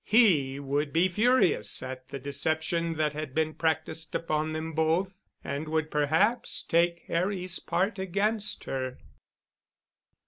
He would be furious at the deception that had been practiced upon them both, and would perhaps take Harry's part against her.